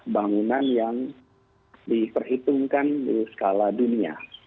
bangunan yang diperhitungkan di skala dunia